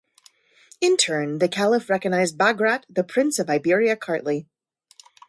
In turn, the Caliph recognized Bagrat the prince of Iberia-Kartli.